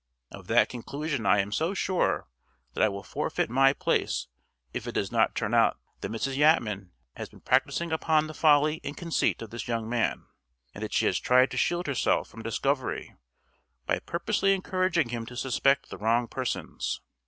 Of that conclusion I am so sure that I will forfeit my place if it does not turn out that Mrs. Yatman has been practicing upon the folly and conceit of this young man, and that she has tried to shield herself from discovery by purposely encouraging him to suspect the wrong persons.